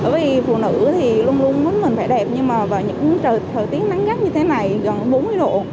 vì phụ nữ thì luôn luôn muốn mình phải đẹp nhưng mà vào những thời tiết nắng gắt như thế này gần bốn mươi độ